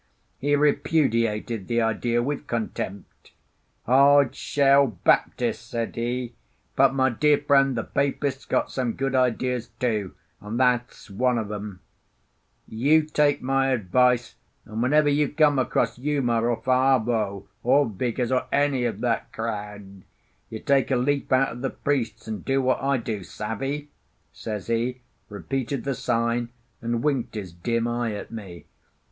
He repudiated the idea with contempt. "Hard shell Baptis'," said he. "But, my dear friend, the Papists got some good ideas too; and tha' 's one of 'em. You take my advice, and whenever you come across Uma or Fa'avao or Vigours, or any of that crowd, you take a leaf out o' the priests, and do what I do. Savvy?" says he, repeated the sign, and winked his dim eye at me.